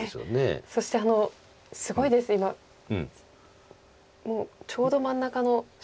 そしてすごいですね今もうちょうど真ん中の勝率に。